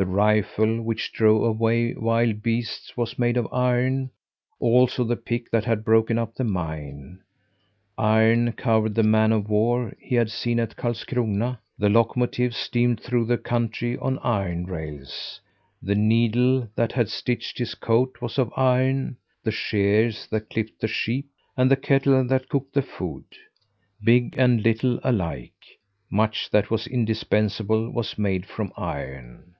The rifle which drove away wild beasts was made of iron, also the pick that had broken up the mine. Iron covered the men of war he had seen at Karlskrona; the locomotives steamed through the country on iron rails; the needle that had stitched his coat was of iron; the shears that clipped the sheep and the kettle that cooked the food. Big and little alike much that was indispensable was made from iron.